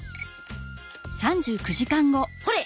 ほれ！